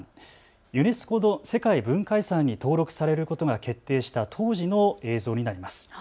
ユネスコの世界文化遺産に登録されることが決定した当時の映像になります。